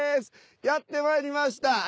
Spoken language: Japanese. やってまいりました。